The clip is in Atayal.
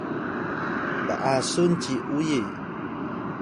p’asun ci uyi